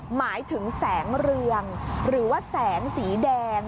หมายถึงแสงเรืองหรือว่าแสงสีแดง